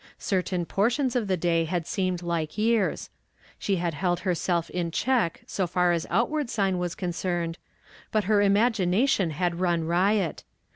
Certain portions of the day had seemed like yeai s. She had held herself in check so far as outward sign was concerned, but her iuui gination had run riot.